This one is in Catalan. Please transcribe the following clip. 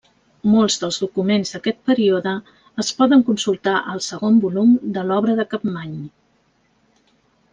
Molts dels documents d'aquest període es poden consultar al segon volum de l'obra de Capmany.